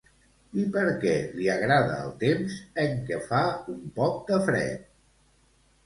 I per què li agrada el temps en què fa un poc de fred?